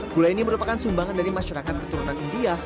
gula ini merupakan sumbangan dari masyarakat keturunan india